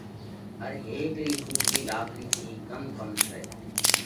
هر هيڪ رِي ۿُوڪِي لاڪڙِي ٿِي ڪم ڪم سئہ؟